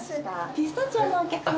ピスタチオのお客さま。